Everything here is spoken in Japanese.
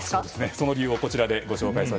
その理由はこちら。